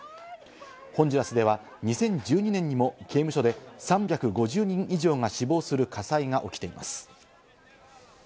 ホンジュラスでは２０１２年にも刑務所で３５０人以上が死亡する火災が起きています。